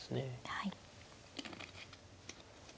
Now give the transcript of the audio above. はい。